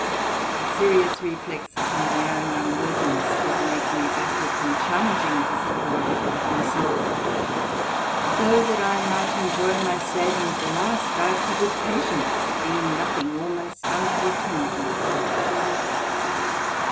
A serious reflex upon my own unworthiness did make me backward from challenging this prerogative of my Soul; so that I might enjoy my Saviour at the last, I could with patience be nothing almost unto Eternity.